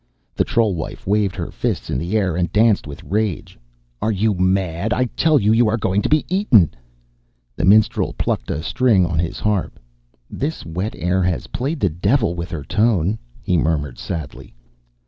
The troll wife waved her fists in the air and danced with rage. "Are you mad? I tell you, you are going to be eaten!" The minstrel plucked a string on his harp. "This wet air has played the devil with her tone," he murmured sadly.